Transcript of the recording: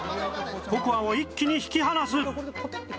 ココアを一気に引き離す